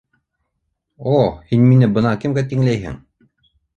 О, һин мине бына кемгә тиңләйһең!